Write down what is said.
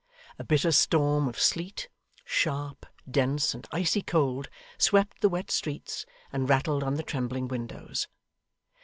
A bitter storm of sleet, sharp, dense, and icy cold, swept the wet streets, and rattled on the trembling windows.